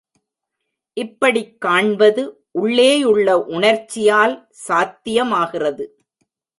இப்படிக் காண்பது உள்ளேயுள்ள உணர்ச்சியால் சாத்தியமாகிறது.